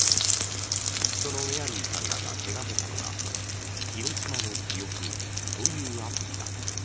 そのメアリーさんらが手掛けたのがヒロシマの記憶というアプリだ。